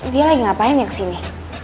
dia lagi ngapain ya kesini